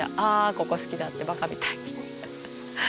ここ好きだってバカみたいに。